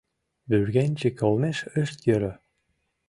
Вӱргенчык олмеш ыш йӧрӧ.